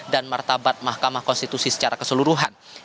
martabat mahkamah konstitusi secara keseluruhan